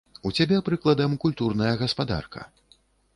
У цябе, прыкладам, культурная гаспадарка.